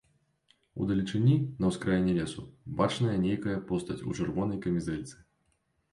Удалечыні, на ўскраіне лесу бачная нейкая постаць у чырвонай камізэльцы.